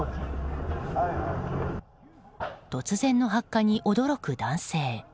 突然の発火に驚く男性。